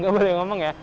tidak boleh ngomong ya